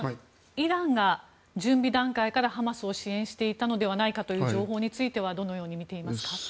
イランが準備段階からハマスを支援していたのではないかという情報についてはどのように見ていますか。